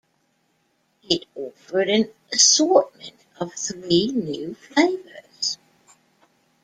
It offered an assortment of three new flavors.